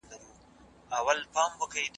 د زده کړه د ماشومانو د حقونو ساتنه کوي.